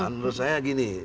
menurut saya gini